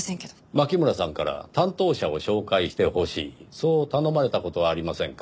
牧村さんから担当者を紹介してほしいそう頼まれた事はありませんか？